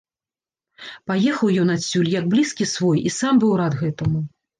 Паехаў ён адсюль, як блізкі свой, і сам быў рад гэтаму.